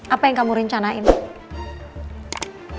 apa yang kamu rencanain